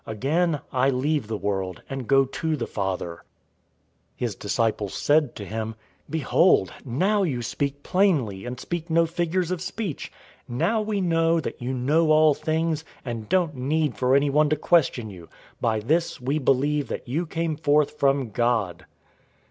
Again, I leave the world, and go to the Father." 016:029 His disciples said to him, "Behold, now you speak plainly, and speak no figures of speech. 016:030 Now we know that you know all things, and don't need for anyone to question you. By this we believe that you came forth from God."